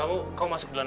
aku gak mau beeset